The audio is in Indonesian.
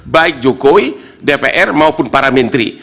baik jokowi dpr maupun para menteri